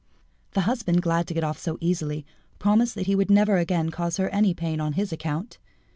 The husband, glad to get off so easily, promised that he would never again cause her any pain on his account.